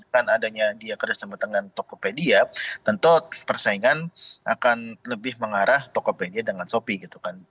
kan adanya dia kerjasama dengan tokopedia tentu persaingan akan lebih mengarah toko pj dengan shopee gitu kan